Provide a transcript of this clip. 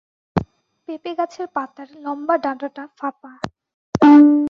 পেঁপে গাছের পাতার লম্বা ডাঁটাটা ফাঁপা।